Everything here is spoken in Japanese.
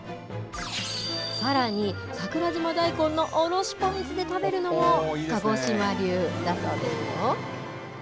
さらに桜島大根のおろしポン酢で食べるのも鹿児島流だそうですよ。